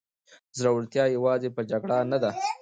زړورتیا یوازې په جګړه نه ده.